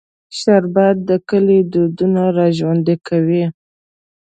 شربت د کلي دودونه راژوندي کوي